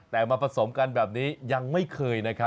แต่มาผสมกันแบบนี้ยังไม่เคยนะครับ